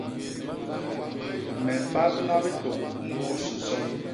Me mbadna bitôñ mbus nson.